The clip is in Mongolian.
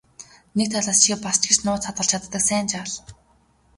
Нэг талаас чи бас ч гэж нууц хадгалж чаддаг сайн жаал.